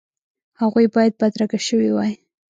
هغوی باید بدرګه شوي وای.